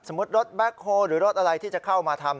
รถแบ็คโฮลหรือรถอะไรที่จะเข้ามาทำ